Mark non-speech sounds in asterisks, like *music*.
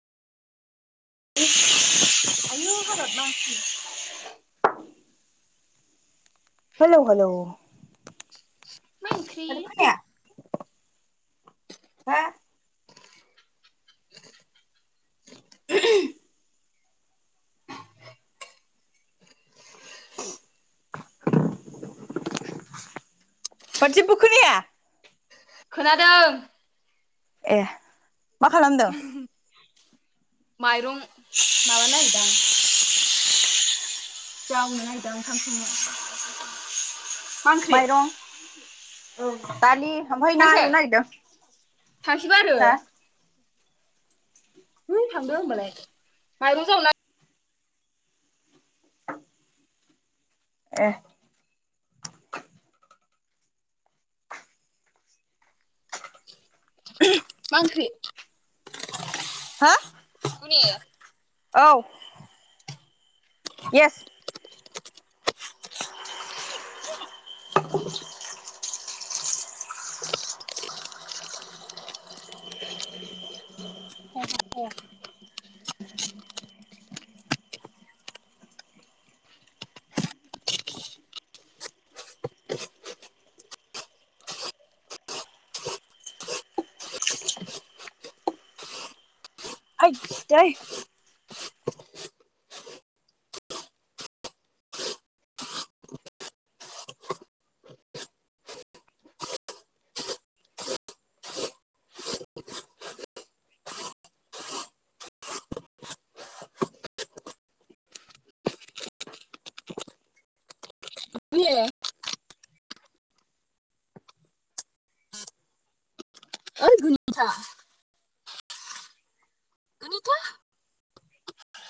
*inaudible* आयौ हाबाब मा *unintelligible* हेलौ हेलौ मा ओंख्रि माथो खोनाया। हो। *inaudible* माथो जेबबो खोनाया। खोनादों। ए मा खालामदों? माइरं माबानो नागेरदां। जावनो नागेरदां ओंखाम संनो। मा ओंख्रि माइरं औ दालि उमफाय ना थांसै एवनो नागिरदों थांसैबो आरो हो है है थांदो होनोमबालाय माइरं जावनां एह मा ओंख्रि हो गुने औ इयेस *inaudible* *inaudible* *unintelligible* ओइ दै ओइ गुनिथा गुनिथा